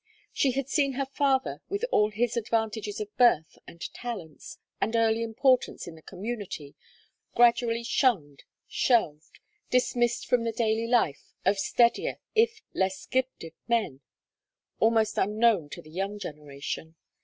She had seen her father, with all his advantages of birth and talents, and early importance in the community, gradually shunned, shelved, dismissed from the daily life of steadier if less gifted men, almost unknown to the young generation.